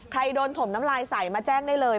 ใครโดนถมน้ำลายใส่มาแจ้งได้เลย